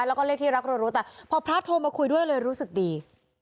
แล้วก็เลขที่รักรัวแต่พอพระโทรมาคุยด้วยเลยรู้สึกดี